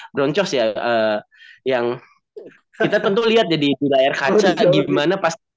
broncos ya yang kita tentu lihat jadi di layar kaca gimana pas